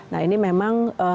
nah ini memang